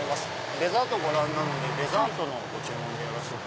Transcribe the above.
デザートご覧なのでデザートのご注文でいいですか？